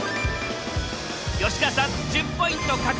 吉川さん１０ポイント獲得。